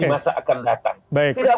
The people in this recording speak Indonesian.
di masa akan datang